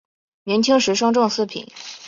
明清时升正四品。